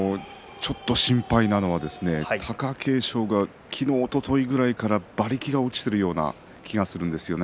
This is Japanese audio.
ちょっと心配なのは貴景勝が昨日おとといぐらいから馬力が落ちているような気がするんですよね。